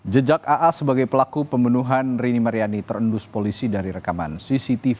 jejak aa sebagai pelaku pembunuhan rini maryani terendus polisi dari rekaman cctv